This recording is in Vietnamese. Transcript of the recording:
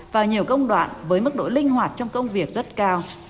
vào nhiều công đoạn với mức độ linh hoạt trong công việc rất cao